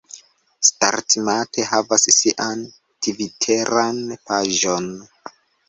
Startmate havas sian Tviteran paĝon